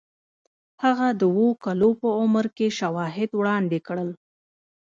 هغه د اوو کالو په عمر کې شواهد وړاندې کړل